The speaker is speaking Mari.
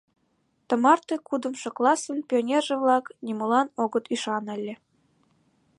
Тымарте кудымшо классын пионерже-влак нимолан огыт ӱшане ыле.